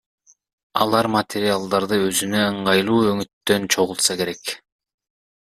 Алар материалдарды өзүнө ыңгайлуу өңүттөн чогултса керек.